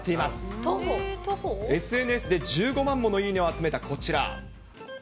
ＳＮＳで１５万ものいいねを集めた、こちら。